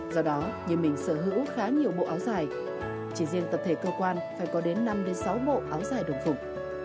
do đó như mình sở hữu khá nhiều bộ áo dài chỉ riêng tập thể cơ quan phải có đến năm sáu bộ áo dài đồng phục